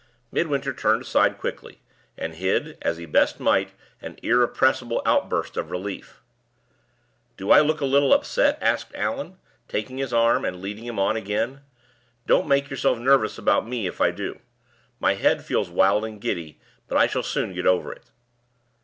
Midwinter turned aside quickly, and hid, as he best might, an irrepressible outburst of relief. "Do I look a little upset?" asked Allan, taking his arm, and leading him on again. "Don't make yourself nervous about me if I do. My head feels wild and giddy, but I shall soon get over it."